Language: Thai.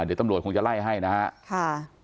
เดี๋ยวตำรวจคงจะไล่ให้นะครับ